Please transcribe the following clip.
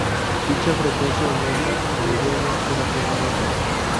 Dicha frecuencia aumenta a mediados de la primavera.